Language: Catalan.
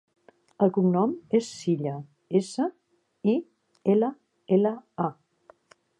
El cognom és Silla: essa, i, ela, ela, a.